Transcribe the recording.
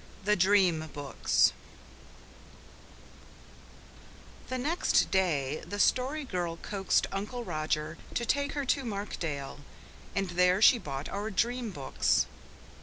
THE DREAM BOOKS The next day the Story Girl coaxed Uncle Roger to take her to Markdale, and there she bought our dream books.